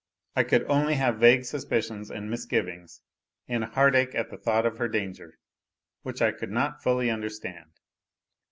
I could only have vague suspicions and misgivings, and a heart ache at the thought of her danger, which I could not fully understand.